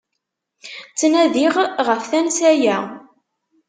Ttnadiɣ ɣef tansa-ya!